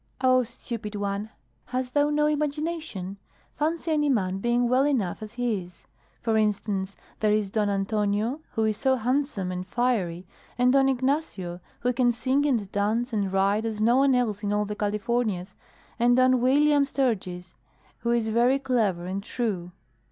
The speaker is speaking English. "Oh, stupid one! Hast thou no imagination? Fancy any man being well enough as he is! For instance, there is Don Antonio, who is so handsome and fiery, and Don Ignacio, who can sing and dance and ride as no one else in all the Californias, and Don Weeliam Sturgis, who is very clever and true.